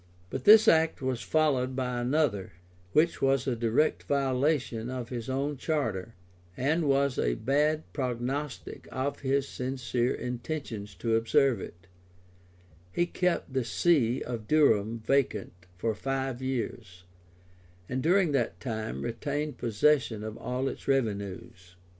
[*] But this act was followed by another, which was a direct violation of his own charter, and was a bad prognostic of his sincere intentions to observe it: he kept the see of Durham vacant for five years, and during that time retained possession of all its revenues.